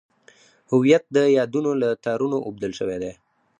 هویت د یادونو له تارونو اوبدل شوی دی.